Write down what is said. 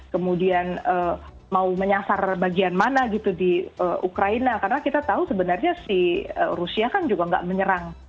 kemudian mau menyasar bagian mana gitu di ukraina karena kita tahu sebenarnya si rusia kan juga nggak menyerang